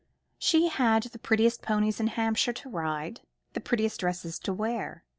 She had the prettiest ponies in Hampshire to ride, the prettiest dresses to wear.